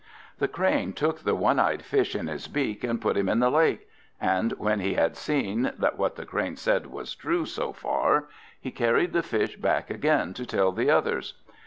The Crane took the one eyed Fish in his beak and put him in the lake; and when he had seen that what the Crane said was true so far, he carried the Fish back again to tell the others.